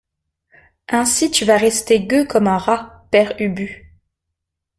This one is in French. Ainsi tu vas rester gueux comme un rat, Père Ubu.